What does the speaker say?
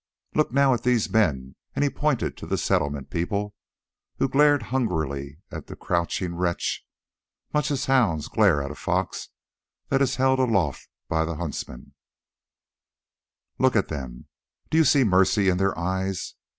"Look now at these men," and he pointed to the Settlement people, who glared hungrily at the crouching wretch, much as hounds glare at a fox that is held aloft by the huntsman; "look at them! Do you see mercy in their eyes?